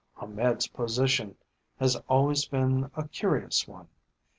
Ahmed's position has always been a curious one.